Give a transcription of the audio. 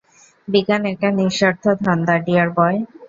বিজ্ঞান একটা নিঃস্বার্থ ধান্দা, ডিয়ার বয়!